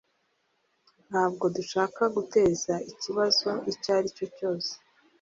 Ntabwo dushaka guteza ikibazo icyo ari cyo cyose.